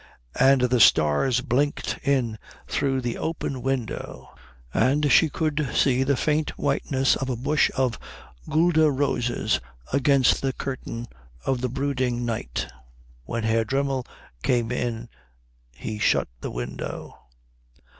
And the stars blinked in through the open window, and she could see the faint whiteness of a bush of guelder roses against the curtain of the brooding night. When Herr Dremmel came in he shut the window.